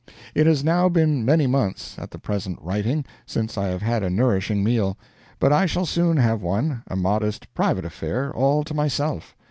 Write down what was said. It has now been many months, at the present writing, since I have had a nourishing meal, but I shall soon have one a modest, private affair, all to myself.